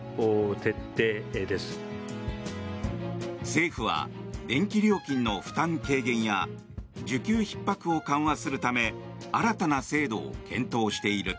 政府は電気料金の負担軽減や需給ひっ迫を緩和するため新たな制度を検討している。